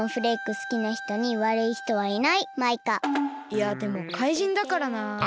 いやでもかいじんだからなあ。